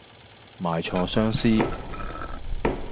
賣錯相思